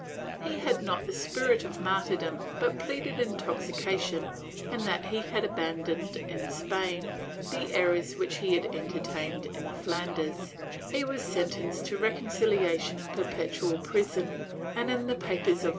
He had not the spirit of martyrdom but pleaded intoxication and that he had abandoned in Spain the errors which he had entertained in Flanders; he was sentenced to reconciliation and perpetual prison and, in the papers of the * Biillar.